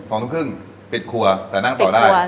สองทุ่มครึ่งปิดครัวแต่นั่งต่อได้